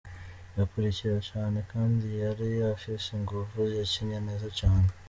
Yakurikira cane kandi yari afise inguvu, yakinye neza cane.